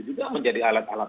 juga menjadi alat alat